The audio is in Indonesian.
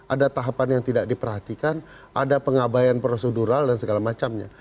ada tahapan yang tidak diperhatikan ada pengabayan prosedural dan segala macamnya